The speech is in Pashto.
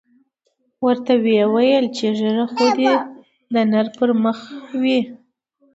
ورته ویې ویل چې ږیره خو د نر پر مخ وي.